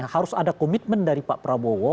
harus ada komitmen dari pak prabowo